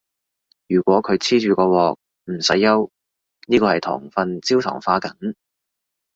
如果佢黐住個鑊，唔使憂，呢個係糖分焦糖化緊